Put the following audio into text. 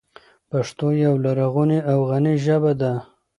پښتو یوه لرغونې او غني ژبه ده.